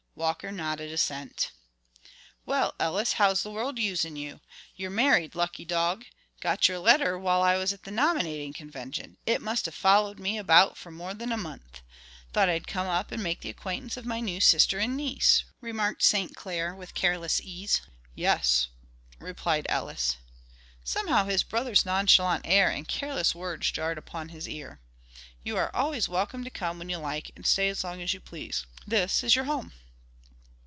Walker nodded assent. "Well, Ellis, how's the world using you? You're married, lucky dog. Got your letter while I was at the nominating convention; it must have followed me about for more than a month. Thought I'd come up and make the acquaintance of my new sister and niece," remarked St. Clair, with careless ease. "Yes," replied Ellis. Somehow his brother's nonchalant air and careless words jarred upon his ear. "You are always welcome to come when you like and stay as long as you please. This is your home."